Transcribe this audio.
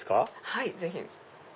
はいぜひ。